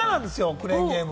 クレーンゲーム。